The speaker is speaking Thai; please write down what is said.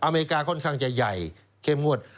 อเมริกาค่อนข้างจะใหญ่เข้มงวด